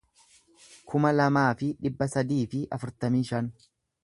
kuma lamaa fi dhibba sadii fi afurtamii shan